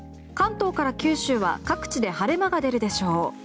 関東から九州は各地で晴れ間が出るでしょう。